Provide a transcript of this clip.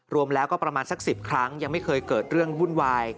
รวมแล้วก็ประมาณสัก๑๐ครั้งยังไม่เคยเกิดเรื่องวุ่นวาย